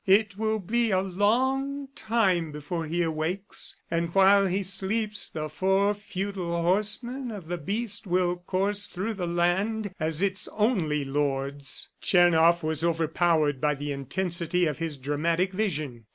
"It will be a long time before he awakes, and while he sleeps the four feudal horsemen of the Beast will course through the land as its only lords." Tchernoff was overpowered by the intensity of his dramatic vision.